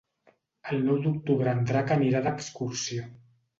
El nou d'octubre en Drac anirà d'excursió.